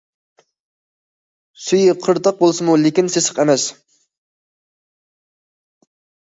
سۈيى قىرتاق بولسىمۇ، لېكىن سېسىق ئەمەس.